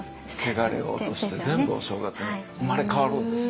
穢れを落として全部お正月に生まれ変わるんですよ。